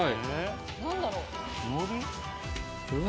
何だろう？